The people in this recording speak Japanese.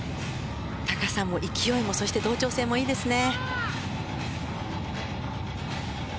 高さも、勢いも同調性もいいですね。